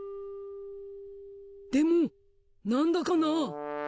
でも何だかなあ。